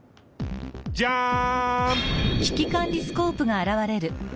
ジャン！